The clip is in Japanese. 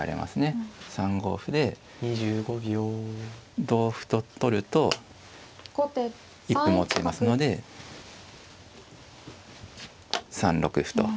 ３五歩で同歩と取ると一歩持ちますので３六歩と。